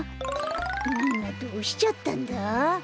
みんなどうしちゃったんだ？